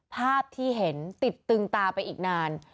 ภาพที่เห็นติดตึงตาไปอีกนาน